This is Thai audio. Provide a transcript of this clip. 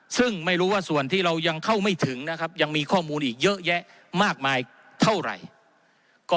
ซึ่งไม่รู้ว่าส่วนที่เรายังเข้าไม่ถึงนะครับยังมีข้อมูลอีกเยอะแยะมากมายเท่าไหร่